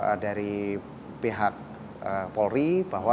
jadi kalau dari pemeriksaan dna adalah dengan running dna itu empat hingga tujuh hari